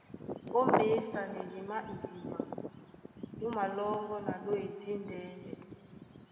Ó měsanedi má idiɓa. Mú malɔ́ŋgɔ́ na ɗôy díndɛ̄nɛ.